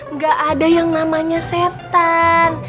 nggak ada yang namanya setan